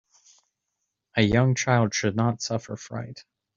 A young child should not suffer fright.